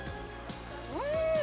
うん！